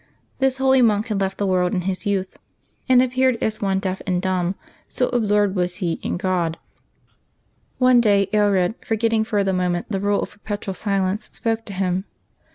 This holy monk had left the world in his youth, and ap 34 LIVES OF THE SAIXTS [Jaxuaby 13 peared as one deaf and dumb, so absorbed was he in God. One day Aelred, forgetting for the moment the rule of perpetual silence, spoke to him.